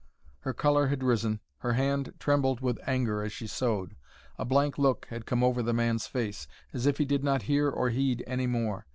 Her color had risen, her hand trembled with anger as she sewed. A blank look had come over the man's face, as if he did not hear or heed any more.